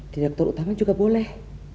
direktur utama juga boleh